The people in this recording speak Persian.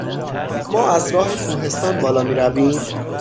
ما از راه کوهستان بالا می رویم؟